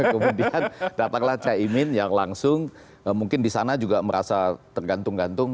kemudian datanglah caimin yang langsung mungkin di sana juga merasa tergantung gantung